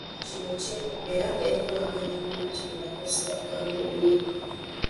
Kino kyongera enkolagana ennungi mu bakozi ba kkampuni yo?